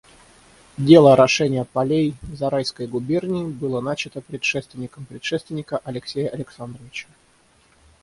Дело орошения полей Зарайской губернии было начато предшественником предшественника Алексея Александровича.